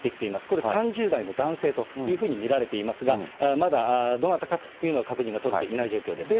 これ３０代の男性というふうに見られていますが、まだどなたかというのは確認が取れていない状況です。